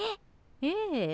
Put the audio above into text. ええ。